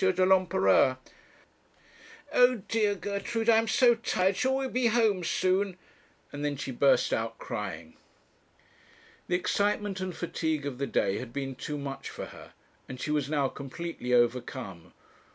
de l'Empereur. Oh dear, Gertrude, I am so tired: shall we be home soon?' and then she burst out crying. The excitement and fatigue of the day had been too much for her, and she was now completely overcome.